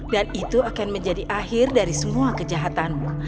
dan itu akan menjadi akhir dari semua kejahatanmu